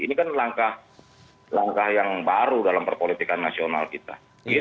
ini kan langkah yang baru dalam perpolitikan nasional kita